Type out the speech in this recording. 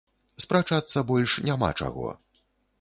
Спрачацца больш няма чаго.